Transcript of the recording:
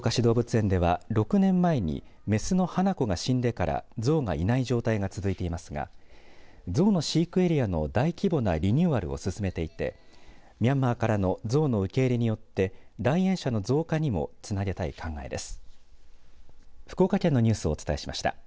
福岡市動物園では６年前に雌のはな子が死んでから象がいない状態が続いていますが象の飼育エリアの大規模なリニューアルを進めていてミャンマーからの象の受け入れによって来園者の増加にもつなげたい考えです。